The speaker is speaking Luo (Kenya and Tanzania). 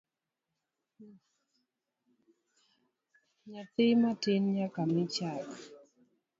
Nyathi matin nyaka mii chak